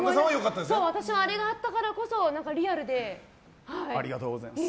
私はあれがあったからこそリアルで。